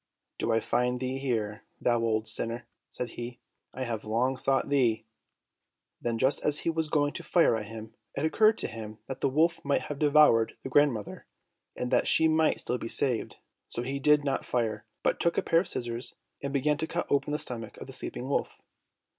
"Do I find thee here, thou old sinner!" said he. "I have long sought thee!" Then just as he was going to fire at him, it occurred to him that the wolf might have devoured the grandmother, and that she might still be saved, so he did not fire, but took a pair of scissors, and began to cut open the stomach of the sleeping wolf.